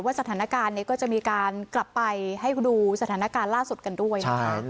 สถานการณ์นี้ก็จะมีการกลับไปให้ดูสถานการณ์ล่าสุดกันด้วยนะคะ